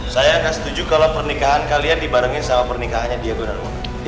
saya gak setuju kalau pernikahan kalian dibarengin sama pernikahannya diego dan mona